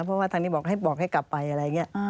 เพราะว่าทางนี้บอกให้บอกให้กลับไปอะไรอย่างนี้